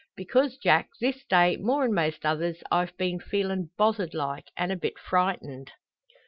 "Because, Jack, this day, more'n most others, I've been feelin' bothered like, and a bit frightened."